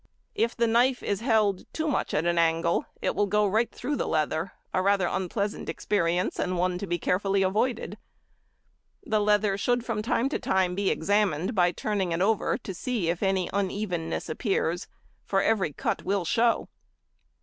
If the knife is held too much at an angle it will go right through the leather, a rather unpleasant experience, and one to be carefully avoided. The leather should from time to time be examined, by turning it over, to see if any unevenness appears, for every cut will show.